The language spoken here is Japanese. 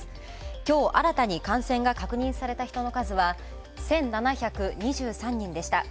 きょう新たに感染が確認された人の数は、１７２３人でした。